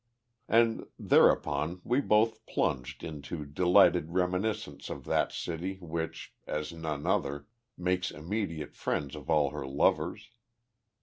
And thereupon we both plunged into delighted reminiscence of that city which, as none other, makes immediate friends of all her lovers.